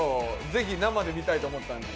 ぜひ生で見たいと思ったんで。